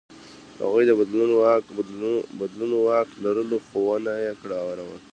هغوی د بدلونو واک لرلو، خو ونه یې کاراوه.